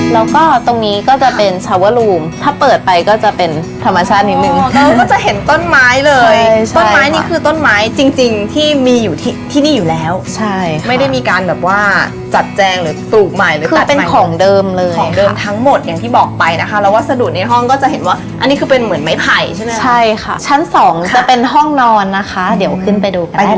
แล้วก็ตรงนี้ก็จะเป็นชาวเวอร์รูมถ้าเปิดไปก็จะเป็นธรรมชาตินิดนึงก็จะเห็นต้นไม้เลยต้นไม้นี่คือต้นไม้จริงที่มีอยู่ที่ที่นี่อยู่แล้วใช่ไม่ได้มีการแบบว่าจัดแจงหรือตรูปใหม่หรือตัดใหม่คือเป็นของเดิมเลยของเดิมทั้งหมดอย่างที่บอกไปนะคะแล้ววาสดุในห้องก็จะเห็นว่าอันนี้คือเป็นเหมือนไม้ไผ่ใช่ไ